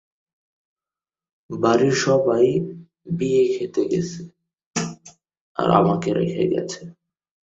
এছাড়া আরো অনেক ছোট ছোট বাজার রয়েছে।